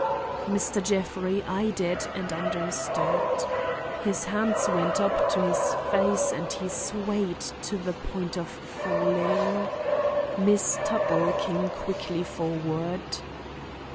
Mr. Jeffrey eyed it and understood. His hands went up to his face and he swayed to the point of falling. Miss Tuttle came quickly forward.